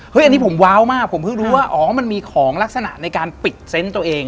อันนี้ผมว้าวมากผมเพิ่งรู้ว่าอ๋อมันมีของลักษณะในการปิดเซนต์ตัวเอง